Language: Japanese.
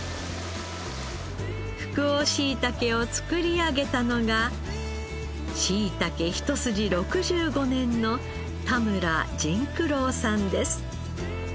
福王しいたけを作り上げたのがしいたけ一筋６５年の田村仁久郎さんです。